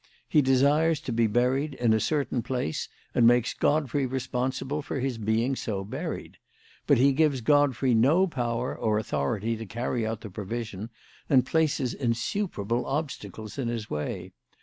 He desires to be buried in a certain place and makes Godfrey responsible for his being so buried. But he gives Godfrey no power or authority to carry out the provision, and places insuperable obstacles in his way.